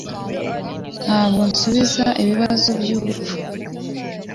Ntabwo nsubiza ibibazo byubupfu